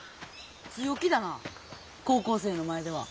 強気だな高校生の前では。